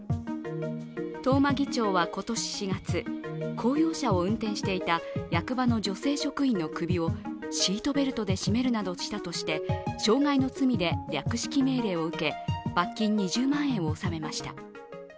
東間議長は今年４月公用車を運転していた役場の女性職員の首を、シートベルトで絞めるなどしたとして、傷害の罪で略式命令を受け罰金２０万円を納めました。